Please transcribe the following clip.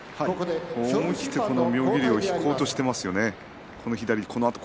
思い切って妙義龍引こうとしていますよね。